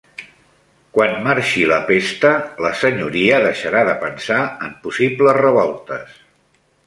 Quan marxi la pesta, la Senyoria deixarà de pensar en possibles revoltes.